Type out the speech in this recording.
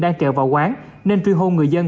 đang trèo vào quán nên truy hôn người dân